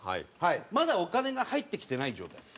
まだお金が入ってきてない状態です。